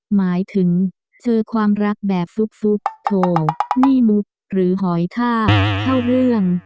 หมายถึงเจอความรักแบบฟุกโทนี่มุกหรือหอยท่าเข้าเรื่อง